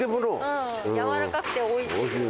・うんやわらかくておいしいです